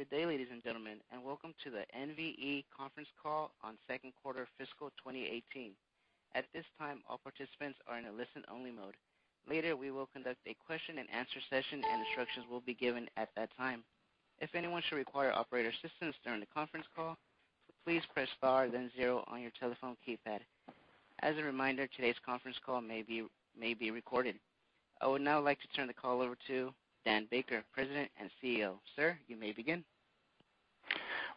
Good day, ladies and gentlemen, and welcome to the NVE conference call on second quarter fiscal 2018. At this time, all participants are in a listen-only mode. Later, we will conduct a question and answer session, and instructions will be given at that time. If anyone should require operator assistance during the conference call, please press star then zero on your telephone keypad. As a reminder, today's conference call may be recorded. I would now like to turn the call over to Daniel Baker, President and CEO. Sir, you may begin.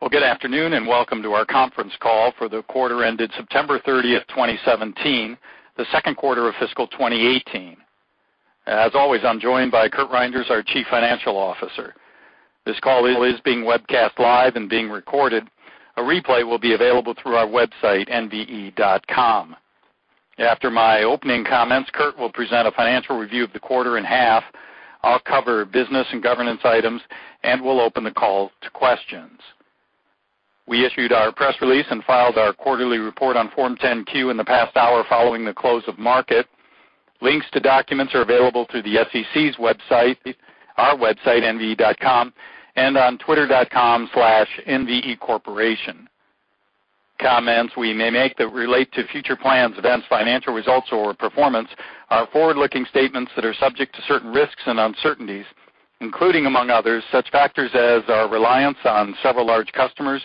Well, good afternoon, and welcome to our conference call for the quarter ended September 30th, 2017, the second quarter of fiscal 2018. As always, I'm joined by Kurt Reynders, our Chief Financial Officer. This call is being webcast live and being recorded. A replay will be available through our website, nve.com. After my opening comments, Kurt will present a financial review of the quarter and half. I'll cover business and governance items. We'll open the call to questions. We issued our press release and filed our quarterly report on Form 10-Q in the past hour following the close of market. Links to documents are available through the SEC's website, our website, nve.com, and on twitter.com/nvecorporation. Comments we may make that relate to future plans, events, financial results, or performance are forward-looking statements that are subject to certain risks and uncertainties, including, among others, such factors as our reliance on several large customers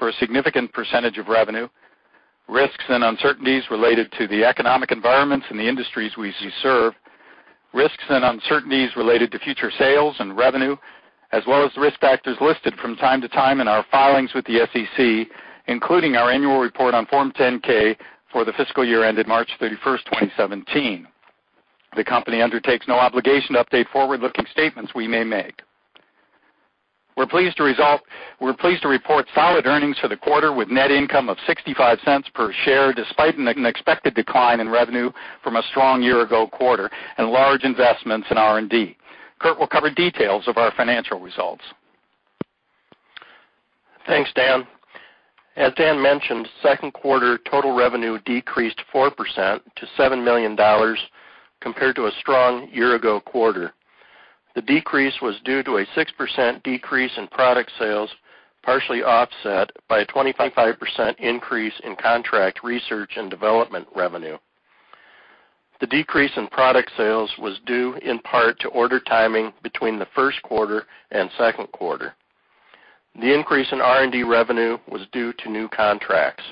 for a significant percentage of revenue, risks and uncertainties related to the economic environments in the industries we serve, risks and uncertainties related to future sales and revenue, as well as risk factors listed from time to time in our filings with the SEC, including our annual report on Form 10-K for the fiscal year ended March 31st, 2017. The company undertakes no obligation to update forward-looking statements we may make. We're pleased to report solid earnings for the quarter with net income of $0.65 per share, despite an expected decline in revenue from a strong year ago quarter and large investments in R&D. Kurt will cover details of our financial results. Thanks, Dan. As Dan mentioned, second quarter total revenue decreased 4% to $7 million compared to a strong year ago quarter. The decrease was due to a 6% decrease in product sales, partially offset by a 25% increase in contract research and development revenue. The decrease in product sales was due in part to order timing between the first quarter and second quarter. The increase in R&D revenue was due to new contracts.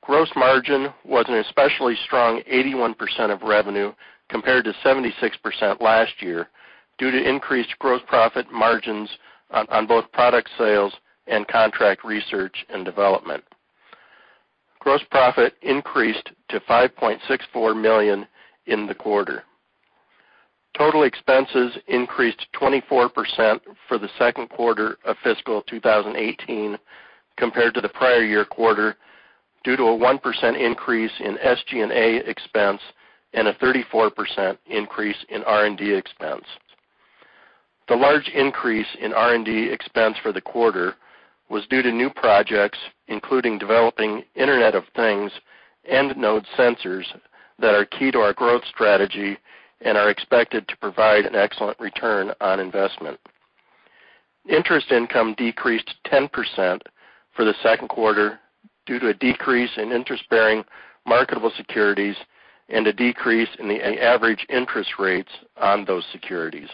Gross margin was an especially strong 81% of revenue compared to 76% last year due to increased gross profit margins on both product sales and contract research and development. Gross profit increased to $5.64 million in the quarter. Total expenses increased 24% for the second quarter of fiscal 2018 compared to the prior year quarter due to a 1% increase in SG&A expense and a 34% increase in R&D expense. The large increase in R&D expense for the quarter was due to new projects, including developing Internet of Things end node sensors that are key to our growth strategy and are expected to provide an excellent return on investment. Interest income decreased 10% for the second quarter due to a decrease in interest-bearing marketable securities and a decrease in the average interest rates on those securities.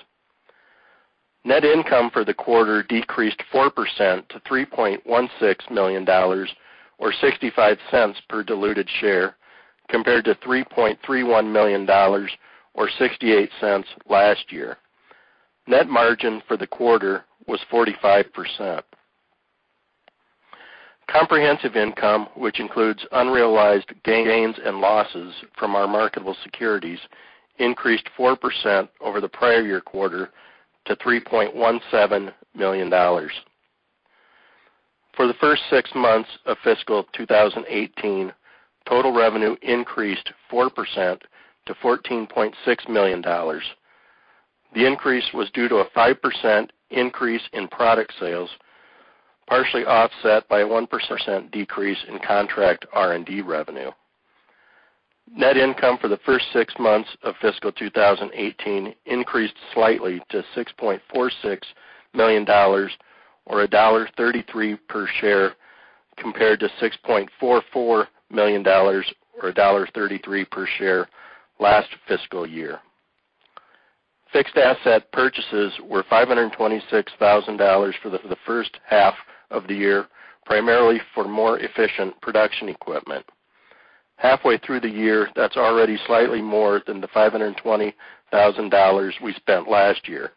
Net income for the quarter decreased 4% to $3.16 million, or $0.65 per diluted share, compared to $3.31 million or $0.68 last year. Net margin for the quarter was 45%. Comprehensive income, which includes unrealized gains and losses from our marketable securities, increased 4% over the prior year quarter to $3.17 million. For the first six months of fiscal 2018, total revenue increased 4% to $14.6 million. The increase was due to a 5% increase in product sales, partially offset by a 1% decrease in contract R&D revenue. Net income for the first six months of fiscal 2018 increased slightly to $6.46 million, or $1.33 per share, compared to $6.44 million or $1.33 per share last fiscal year. Fixed asset purchases were $526,000 for the first half of the year, primarily for more efficient production equipment. Halfway through the year, that's already slightly more than the $520,000 we spent last year.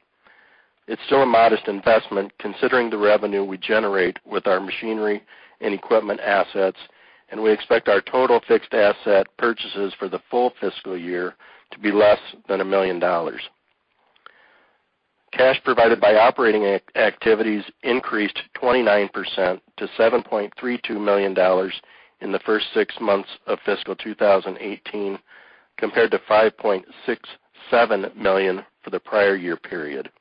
It's still a modest investment considering the revenue we generate with our machinery and equipment assets, and we expect our total fixed asset purchases for the full fiscal year to be less than $1 million. Cash provided by operating activities increased 29% to $7.32 million in the first six months of fiscal 2018, compared to $5.67 million for the prior year period.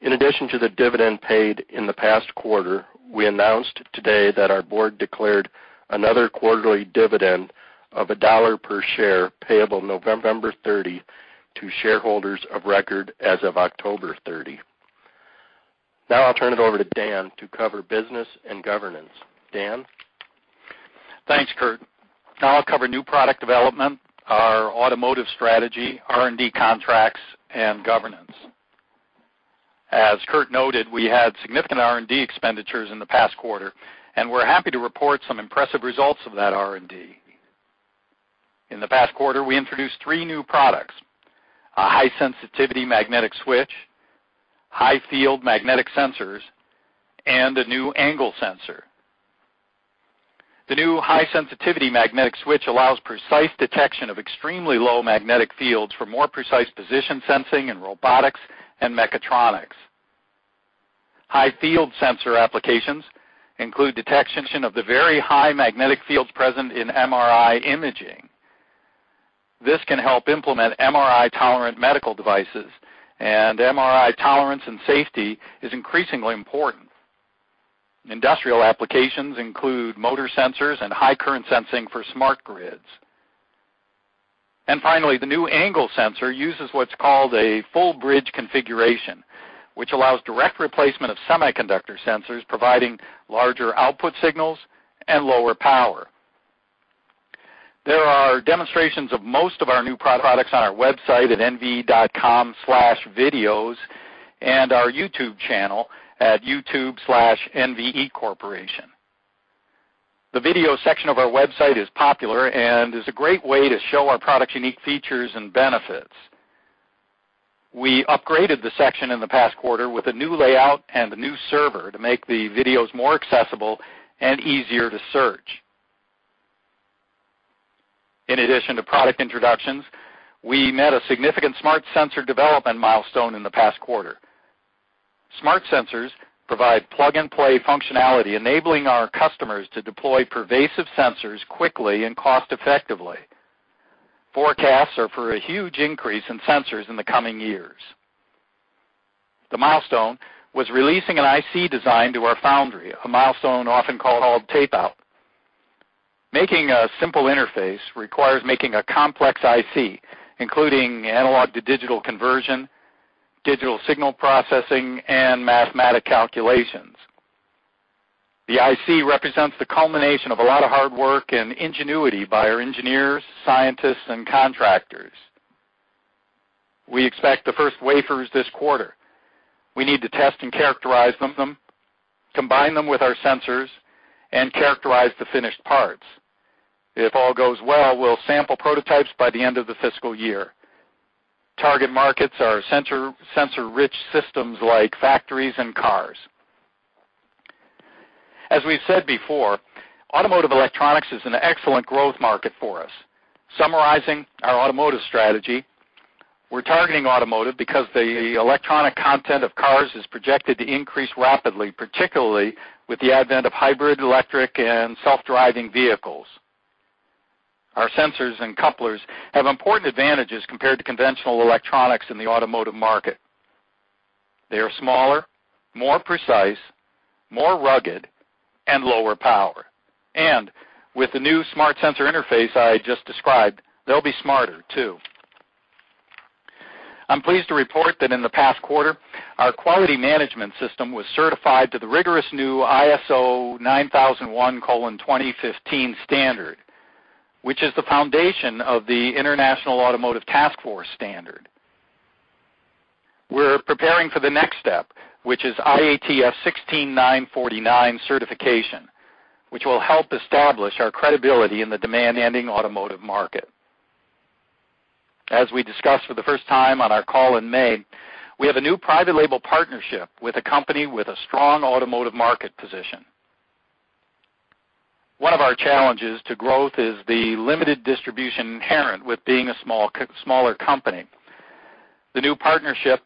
In addition to the dividend paid in the past quarter, we announced today that our board declared another quarterly dividend of $1 per share payable November 30 to shareholders of record as of October 30. Now I'll turn it over to Dan to cover business and governance. Dan? Thanks, Kurt. Now I'll cover new product development, our automotive strategy, R&D contracts, and governance. As Kurt noted, we had significant R&D expenditures in the past quarter, and we're happy to report some impressive results of that R&D. In the past quarter, we introduced three new products, a high-sensitivity magnetic switch, high-field magnetic sensors, and a new angle sensor. The new high-sensitivity magnetic switch allows precise detection of extremely low magnetic fields for more precise position sensing in robotics and mechatronics. High-field sensor applications include detection of the very high magnetic fields present in MRI imaging. This can help implement MRI-tolerant medical devices, and MRI tolerance and safety is increasingly important. Industrial applications include motor sensors and high current sensing for smart grids. Finally, the new angle sensor uses what's called a full bridge configuration, which allows direct replacement of semiconductor sensors, providing larger output signals and lower power. There are demonstrations of most of our new products on our website at nve.com/videos and our YouTube channel at YouTube/nvecorporation. The video section of our website is popular and is a great way to show our products' unique features and benefits. We upgraded the section in the past quarter with a new layout and a new server to make the videos more accessible and easier to search. In addition to product introductions, we met a significant smart sensor development milestone in the past quarter. Smart sensors provide plug-and-play functionality, enabling our customers to deploy pervasive sensors quickly and cost effectively. Forecasts are for a huge increase in sensors in the coming years. The milestone was releasing an IC design to our foundry, a milestone often called tape-out. Making a simple interface requires making a complex IC, including analog-to-digital conversion, digital signal processing, and mathematic calculations. The IC represents the culmination of a lot of hard work and ingenuity by our engineers, scientists, and contractors. We expect the first wafers this quarter. We need to test and characterize them, combine them with our sensors, and characterize the finished parts. If all goes well, we'll sample prototypes by the end of the fiscal year. Target markets are sensor-rich systems like factories and cars. As we've said before, automotive electronics is an excellent growth market for us. Summarizing our automotive strategy, we're targeting automotive because the electronic content of cars is projected to increase rapidly, particularly with the advent of hybrid, electric, and self-driving vehicles. Our sensors and couplers have important advantages compared to conventional electronics in the automotive market. They are smaller, more precise, more rugged, and lower power. With the new smart sensor interface I just described, they'll be smarter, too. I'm pleased to report that in the past quarter, our quality management system was certified to the rigorous new ISO 9001:2015 standard, which is the foundation of the International Automotive Task Force standard. We're preparing for the next step, which is IATF 16949 certification, which will help establish our credibility in the demanding automotive market. As we discussed for the first time on our call in May, we have a new private label partnership with a company with a strong automotive market position. One of our challenges to growth is the limited distribution inherent with being a smaller company. The new partnership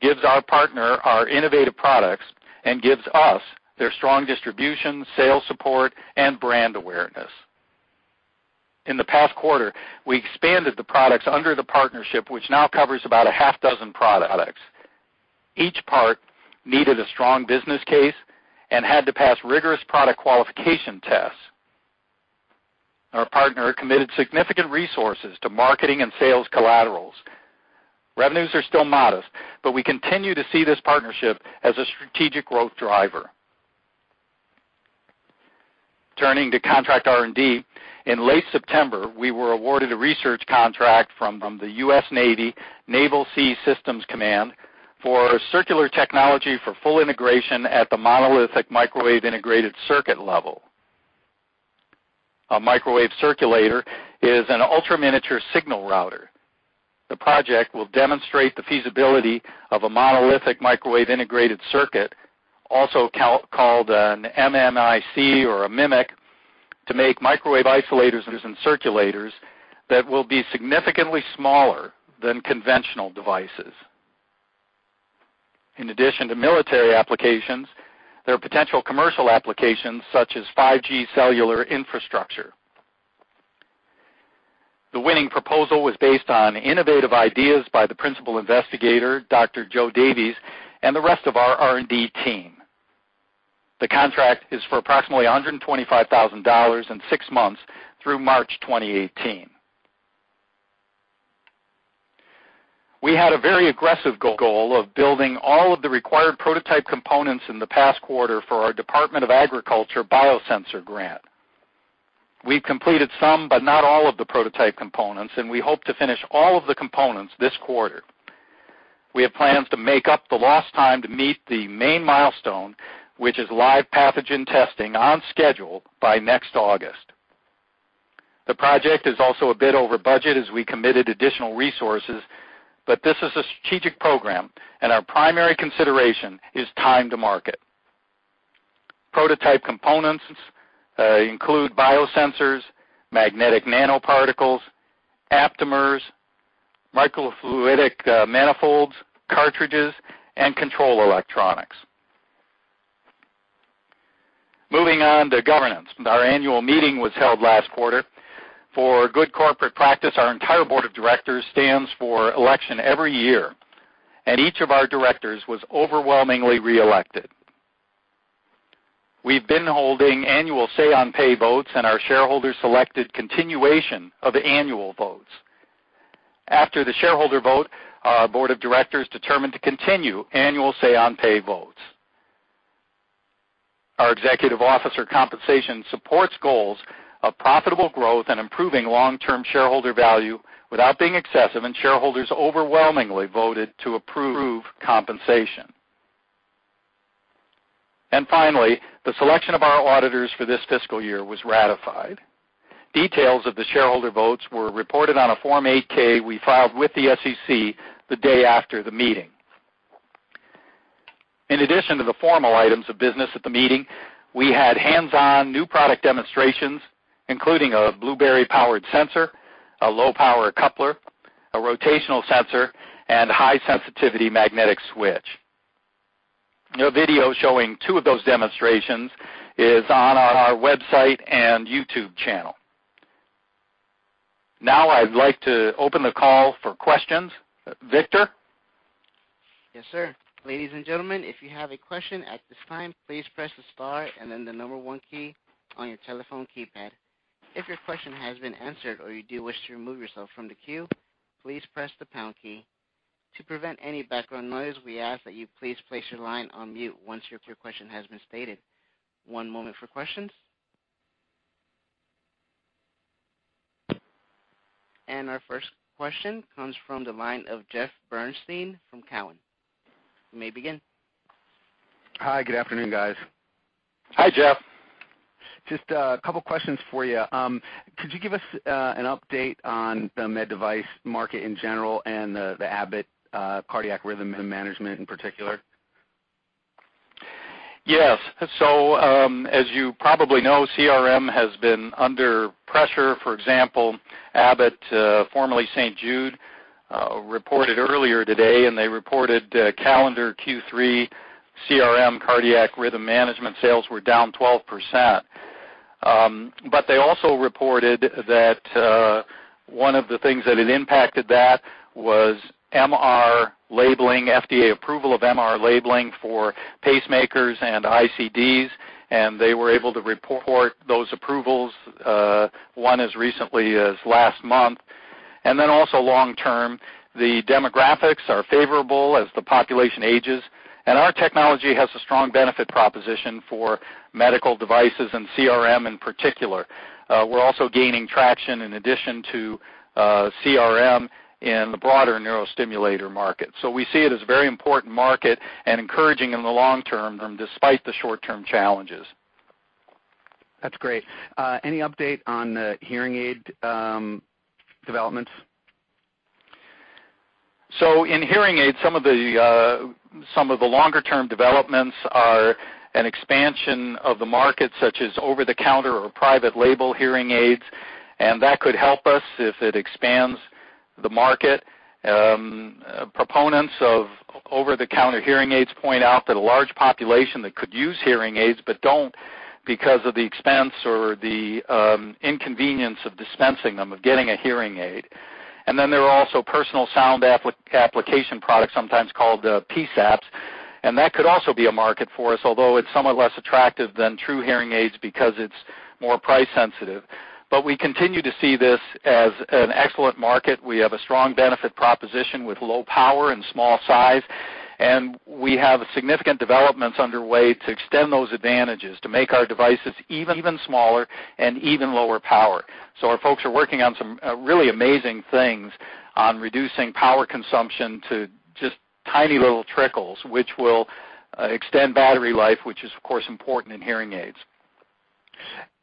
gives our partner our innovative products and gives us their strong distribution, sales support, and brand awareness. In the past quarter, we expanded the products under the partnership, which now covers about a half dozen products. Each part needed a strong business case and had to pass rigorous product qualification tests. Our partner committed significant resources to marketing and sales collaterals. Revenues are still modest, but we continue to see this partnership as a strategic growth driver. Turning to contract R&D, in late September, we were awarded a research contract from the U.S. Navy, Naval Sea Systems Command, for circulator technology for full integration at the monolithic microwave integrated circuit level. A microwave circulator is an ultra-miniature signal router. The project will demonstrate the feasibility of a monolithic microwave integrated circuit, also called an MMIC or an MMIC, to make microwave isolators and circulators that will be significantly smaller than conventional devices. In addition to military applications, there are potential commercial applications such as 5G cellular infrastructure. The winning proposal was based on innovative ideas by the principal investigator, Dr. Joe Davies, and the rest of our R&D team. The contract is for approximately $125,000 and six months through March 2018. We had a very aggressive goal of building all of the required prototype components in the past quarter for our Department of Agriculture biosensor grant. We've completed some, but not all of the prototype components, and we hope to finish all of the components this quarter. We have plans to make up the lost time to meet the main milestone, which is live pathogen testing on schedule by next August. The project is also a bit over budget as we committed additional resources, but this is a strategic program and our primary consideration is time to market. Prototype components include biosensors, magnetic nanoparticles, aptamers, microfluidic manifolds, cartridges, and control electronics. Moving on to governance. Our annual meeting was held last quarter. For good corporate practice, our entire board of directors stands for election every year. Each of our directors was overwhelmingly reelected. We've been holding annual say on pay votes. Our shareholders selected continuation of annual votes. After the shareholder vote, our board of directors determined to continue annual say on pay votes. Our executive officer compensation supports goals of profitable growth and improving long-term shareholder value without being excessive. Shareholders overwhelmingly voted to approve compensation. Finally, the selection of our auditors for this fiscal year was ratified. Details of the shareholder votes were reported on a Form 8-K we filed with the SEC the day after the meeting. In addition to the formal items of business at the meeting, we had hands-on new product demonstrations, including a blueberry-powered sensor, a low-power coupler, a rotational sensor, and high-sensitivity magnetic switch. A video showing two of those demonstrations is on our website and YouTube channel. Now I'd like to open the call for questions. Victor? Yes, sir. Ladies and gentlemen, if you have a question at this time, please press the star and then the number one key on your telephone keypad. If your question has been answered or you do wish to remove yourself from the queue, please press the pound key. To prevent any background noise, we ask that you please place your line on mute once your question has been stated. One moment for questions. Our first question comes from the line of Jeffrey Bernstein from Cowen. You may begin. Hi, good afternoon, guys. Hi, Jeff. Just a couple of questions for you. Could you give us an update on the med device market in general and the Abbott cardiac rhythm management in particular? Yes. As you probably know, CRM has been under pressure. For example, Abbott, formerly St. Jude, reported earlier today, and they reported calendar Q3 CRM, cardiac rhythm management, sales were down 12%. They also reported that one of the things that had impacted that was FDA approval of MR labeling for pacemakers and ICDs, and they were able to report those approvals, one as recently as last month. Also long term, the demographics are favorable as the population ages, and our technology has a strong benefit proposition for medical devices and CRM in particular. We're also gaining traction in addition to CRM in the broader neurostimulator market. We see it as a very important market and encouraging in the long term, despite the short-term challenges. That's great. Any update on hearing aid developments? In hearing aids, some of the longer-term developments are an expansion of the market, such as over-the-counter or private label hearing aids, that could help us if it expands the market. Proponents of over-the-counter hearing aids point out that a large population that could use hearing aids but don't because of the expense or the inconvenience of dispensing them, of getting a hearing aid. There are also personal sound amplification products, sometimes called PSAPs, that could also be a market for us, although it's somewhat less attractive than true hearing aids because it's more price sensitive. We continue to see this as an excellent market. We have a strong benefit proposition with low power and small size, and we have significant developments underway to extend those advantages to make our devices even smaller and even lower power. Our folks are working on some really amazing things on reducing power consumption to just tiny little trickles, which will extend battery life, which is, of course, important in hearing aids.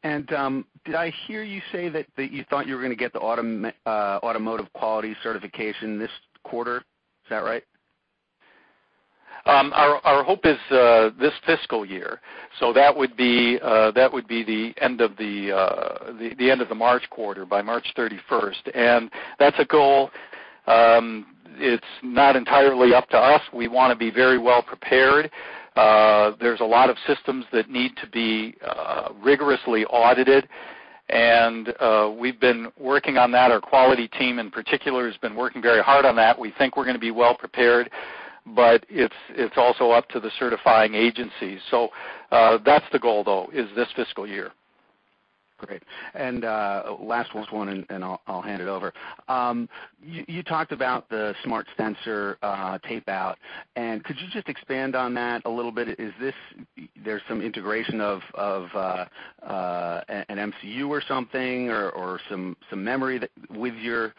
Did I hear you say that you thought you were going to get the automotive quality certification this quarter? Is that right? Our hope is this fiscal year, so that would be the end of the March quarter, by March 31st. That's a goal. It's not entirely up to us. We want to be very well prepared. There's a lot of systems that need to be rigorously audited. We've been working on that. Our quality team in particular has been working very hard on that. We think we're going to be well prepared, but it's also up to the certifying agencies. That's the goal, though, is this fiscal year. Great. Last one, I'll hand it over. You talked about the smart sensor tape-out. Could you just expand on that a little bit? There's some integration of an MCU or something, or some memory with your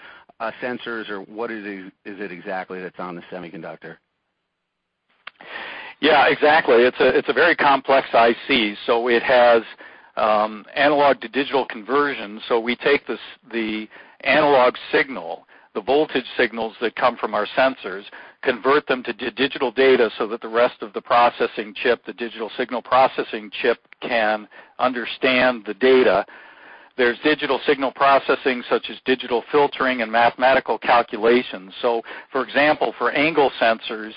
sensors, or what is it exactly that's on the semiconductor? Exactly. It's a very complex IC. It has analog-to-digital conversion. We take the analog signal, the voltage signals that come from our sensors, convert them to digital data so that the rest of the processing chip, the digital signal processing chip, can understand the data. There's digital signal processing, such as digital filtering and mathematical calculations. For example, for angle sensors,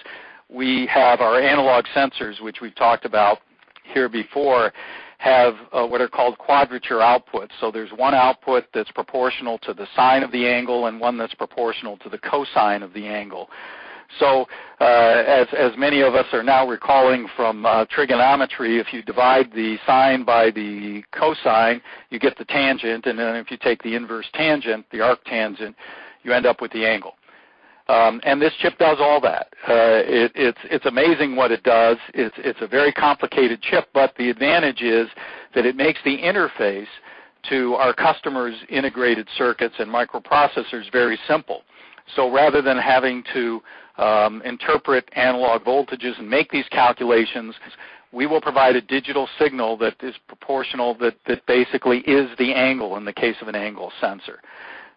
we have our analog sensors, which we've talked about here before, have what are called quadrature outputs. There's one output that's proportional to the sine of the angle and one that's proportional to the cosine of the angle. As many of us are now recalling from trigonometry, if you divide the sine by the cosine, you get the tangent, and then if you take the inverse tangent, the arctangent, you end up with the angle. This chip does all that. It's amazing what it does. It's a very complicated chip. The advantage is that it makes the interface to our customers' integrated circuits and microprocessors very simple. Rather than having to interpret analog voltages and make these calculations, we will provide a digital signal that is proportional, that basically is the angle in the case of an angle sensor.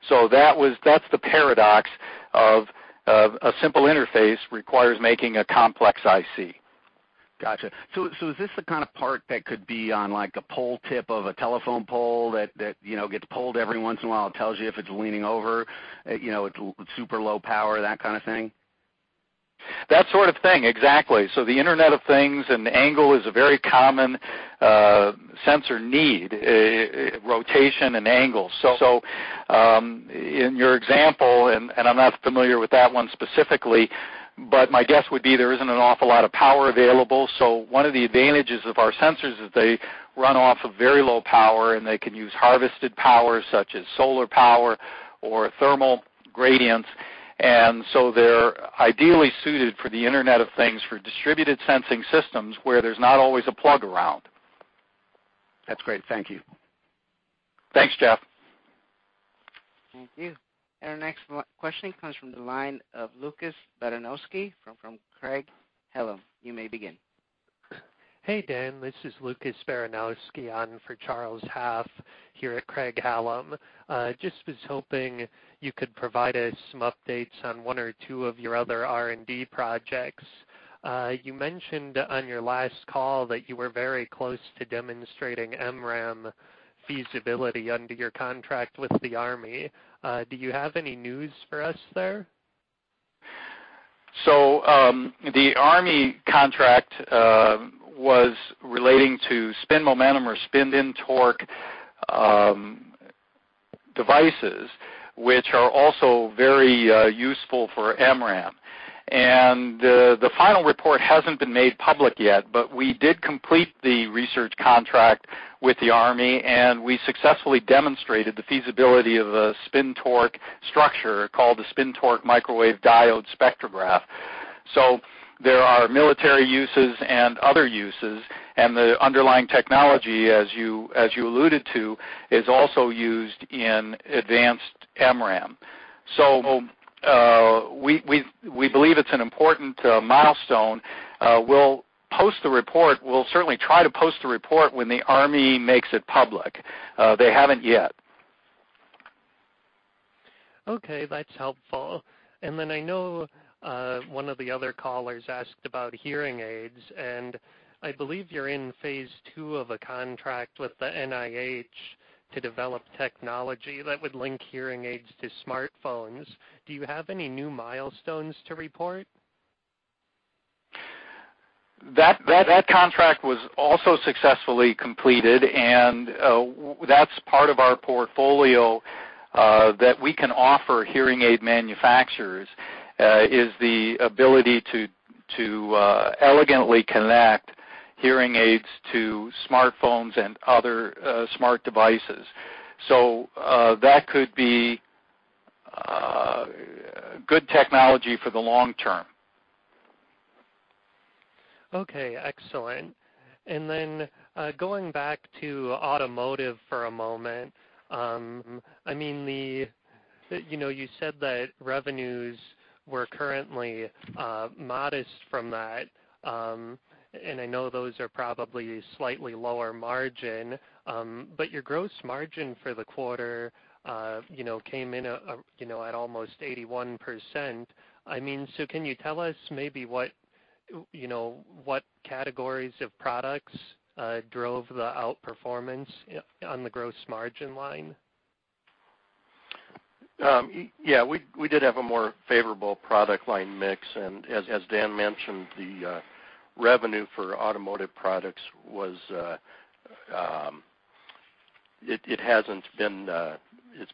That's the paradox of a simple interface requires making a complex IC. Got you. Is this the kind of part that could be on, like, a pole tip of a telephone pole that gets pulled every once in a while, it tells you if it's leaning over, it's super low power, that kind of thing? That sort of thing, exactly. The Internet of Things, and angle is a very common sensor need, rotation and angle. In your example, and I'm not familiar with that one specifically, but my guess would be there isn't an awful lot of power available. One of the advantages of our sensors is they run off of very low power, and they can use harvested power, such as solar power or thermal gradients. They're ideally suited for the Internet of Things, for distributed sensing systems where there's not always a plug around. That's great. Thank you. Thanks, Jeff. Thank you. Our next question comes from the line of Lucas Baranowski from Craig-Hallum. You may begin. Hey, Dan, this is Lucas Baranowski on for Charles Haff here at Craig-Hallum. Just was hoping you could provide us some updates on one or two of your other R&D projects. You mentioned on your last call that you were very close to demonstrating MRAM feasibility under your contract with the Army. Do you have any news for us there? The Army contract was relating to spin momentum or spin torque devices, which are also very useful for MRAM. The final report hasn't been made public yet, but we did complete the research contract with the Army, and we successfully demonstrated the feasibility of a spin torque structure called the spin torque microwave diode spectrograph. There are military uses and other uses, and the underlying technology, as you alluded to, is also used in advanced MRAM. We believe it's an important milestone. We'll certainly try to post the report when the Army makes it public. They haven't yet. Okay, that's helpful. I know one of the other callers asked about hearing aids, and I believe you're in phase II of a contract with the NIH to develop technology that would link hearing aids to smartphones. Do you have any new milestones to report? That contract was also successfully completed, that's part of our portfolio that we can offer hearing aid manufacturers, is the ability to elegantly connect hearing aids to smartphones and other smart devices. That could be good technology for the long term. Okay, excellent. Then going back to automotive for a moment. You said that revenues were currently modest from that, I know those are probably slightly lower margin. Your gross margin for the quarter came in at almost 81%. Can you tell us maybe what categories of products drove the outperformance on the gross margin line? Yeah. We did have a more favorable product line mix, as Dan mentioned, the revenue for automotive products, it's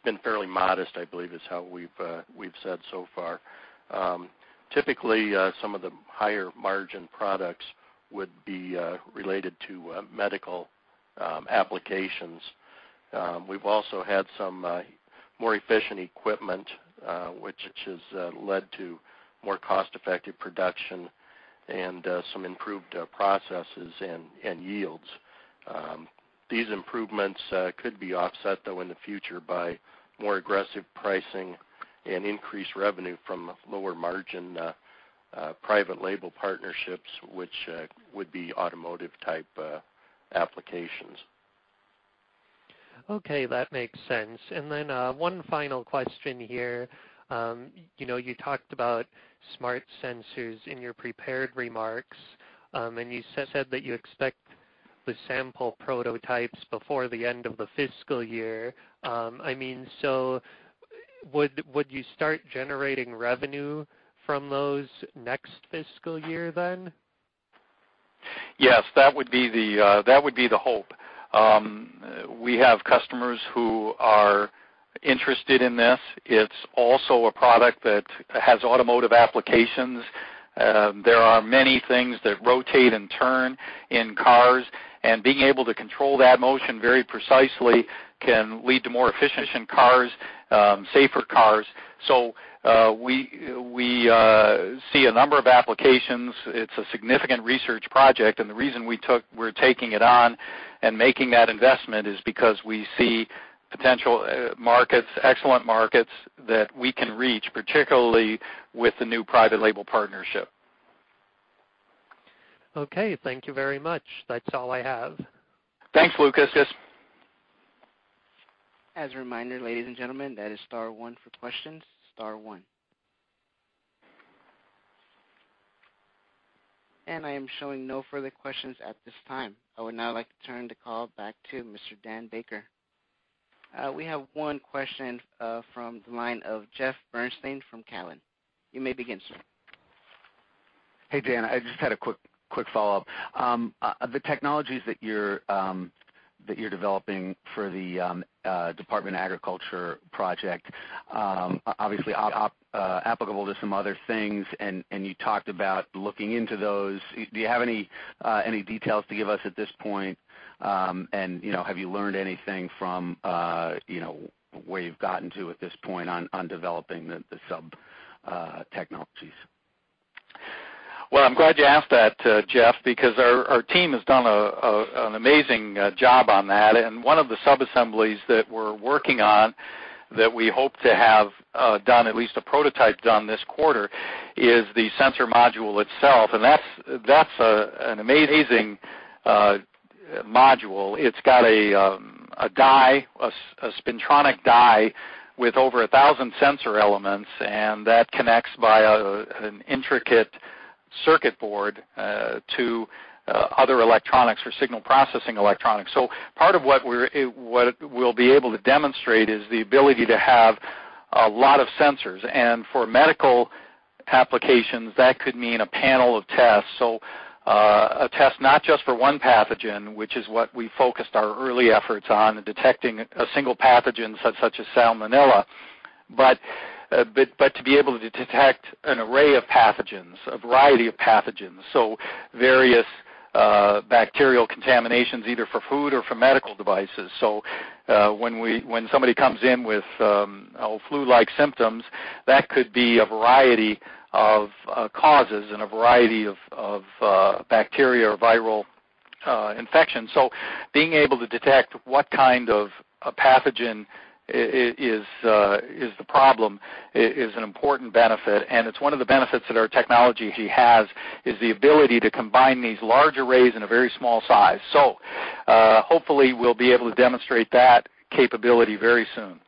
been fairly modest, I believe is how we've said so far. Typically, some of the higher margin products would be related to medical applications. We've also had some more efficient equipment, which has led to more cost-effective production and some improved processes and yields. These improvements could be offset, though, in the future by more aggressive pricing and increased revenue from lower margin private label partnerships, which would be automotive type applications. Okay, that makes sense. Then one final question here. You talked about smart sensors in your prepared remarks, you said that you expect the sample prototypes before the end of the fiscal year. Would you start generating revenue from those next fiscal year then? Yes. That would be the hope. We have customers who are interested in this. It's also a product that has automotive applications. There are many things that rotate and turn in cars, and being able to control that motion very precisely can lead to more efficient cars, safer cars. We see a number of applications. It's a significant research project, and the reason we're taking it on and making that investment is because we see potential markets, excellent markets, that we can reach, particularly with the new private label partnership. Okay. Thank you very much. That's all I have. Thanks, Lucas. As a reminder, ladies and gentlemen, that is star one for questions. Star one. I am showing no further questions at this time. I would now like to turn the call back to Mr. Daniel Baker. We have one question from the line of Jeffrey Bernstein from Cowen. You may begin, sir. Hey, Dan. I just had a quick follow-up. The technologies that you're developing for the Department of Agriculture project, obviously applicable to some other things, and you talked about looking into those. Do you have any details to give us at this point? Have you learned anything from where you've gotten to at this point on developing the sub-technologies? Well, I'm glad you asked that, Jeff, because our team has done an amazing job on that. One of the sub-assemblies that we're working on that we hope to have done, at least a prototype done this quarter, is the sensor module itself. That's an amazing module. It's got a spintronic die with over 1,000 sensor elements, and that connects via an intricate circuit board to other electronics for signal processing electronics. Part of what we'll be able to demonstrate is the ability to have a lot of sensors. For medical applications, that could mean a panel of tests. A test not just for one pathogen, which is what we focused our early efforts on, detecting a single pathogen such as Salmonella, but to be able to detect an array of pathogens, a variety of pathogens. Various bacterial contaminations, either for food or for medical devices. When somebody comes in with flu-like symptoms, that could be a variety of causes and a variety of bacteria or viral infections. Being able to detect what kind of pathogen is the problem is an important benefit, and it's one of the benefits that our technology has, is the ability to combine these large arrays in a very small size. Hopefully we'll be able to demonstrate that capability very soon.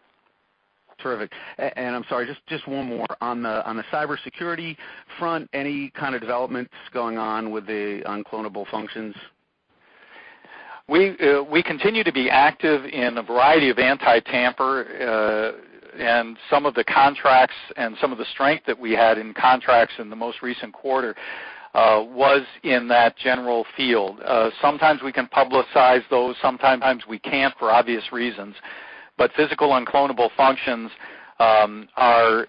Terrific. I'm sorry, just one more. On the cybersecurity front, any kind of developments going on with the Unclonable Functions? We continue to be active in a variety of anti-tamper, and some of the contracts and some of the strength that we had in contracts in the most recent quarter was in that general field. Sometimes we can publicize those, sometimes we can't for obvious reasons. Physical Unclonable Functions are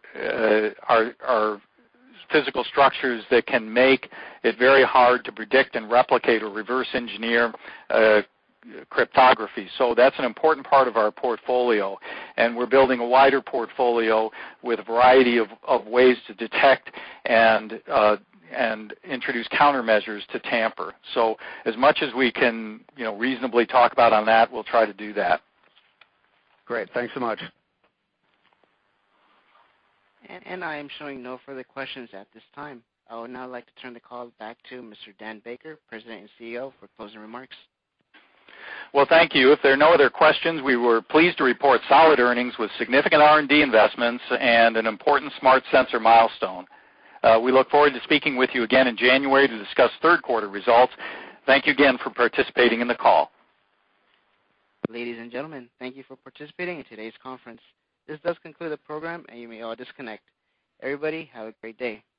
physical structures that can make it very hard to predict and replicate or reverse engineer cryptography. That's an important part of our portfolio, and we're building a wider portfolio with a variety of ways to detect and introduce countermeasures to tamper. As much as we can reasonably talk about on that, we'll try to do that. Great. Thanks so much. I am showing no further questions at this time. I would now like to turn the call back to Mr. Daniel Baker, President and CEO, for closing remarks. Thank you. If there are no other questions, we were pleased to report solid earnings with significant R&D investments and an important smart sensor milestone. We look forward to speaking with you again in January to discuss third quarter results. Thank you again for participating in the call. Ladies and gentlemen, thank you for participating in today's conference. This does conclude the program, and you may all disconnect. Everybody, have a great day.